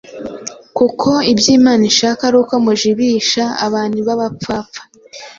kuko ibyo imana ishaka ari uko mujibisha abantu b’abapfapfa,